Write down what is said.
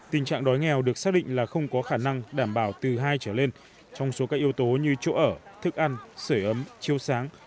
tình trạng đói nghèo được xác định là không có khả năng đảm bảo từ hai trở lên trong số các yếu tố như chỗ ở thức ăn sởi ấm chiêu sáng